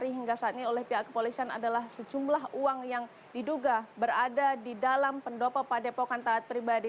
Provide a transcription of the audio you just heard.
sejumlah uang yang diduga saat ini oleh pihak kepolisian adalah sejumlah uang yang diduga berada di dalam pendopo padepo kantaat pribadi